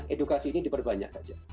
edukasi ini diperbanyak saja